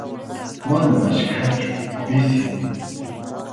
Mana achkachu, pisim.